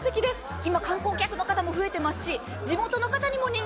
今、観光客の方も増えていますし、地元の方にも人気。